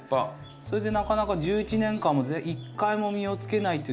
それでなかなか１１年間も１回も実をつけないっていう。